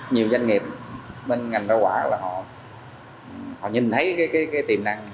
nhiều doanh nghiệp bên ngành rau quả và họ nhìn thấy cái tiềm năng